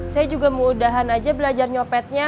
saya juga mau udahan aja belajar nyopetnya